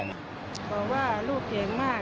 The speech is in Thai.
บอกว่าลูกเก่งมาก